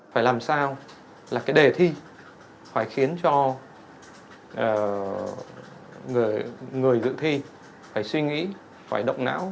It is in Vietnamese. phải làm sao là cái đề thi phải khiến cho người dự thi phải suy nghĩ phải độc não